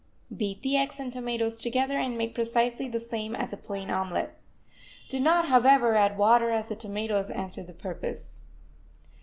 Beat the eggs and tomatoes together, and make precisely the same as a plain omelet. Do not, however, add water, as the tomatoes answer the purpose.